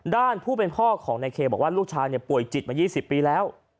ผู้เป็นพ่อของนายเคบอกว่าลูกชายป่วยจิตมา๒๐ปีแล้ว